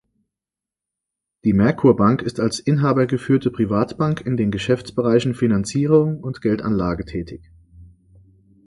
Die Merkur Bank ist als inhabergeführte Privatbank in den Geschäftsbereichen Finanzierung und Geldanlage tätig.